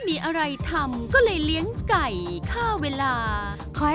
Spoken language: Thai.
เพอร์เฟคมาก